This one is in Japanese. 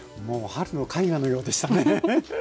もう春の絵画のようでしたね。